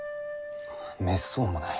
めっそうもない。